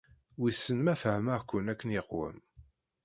Wissen ma fehmeɣ-ken akken yeqwem.